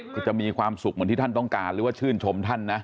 จะมีความสุขเหมือนที่ท่านต้องการหรือว่าชื่นชมท่านนะ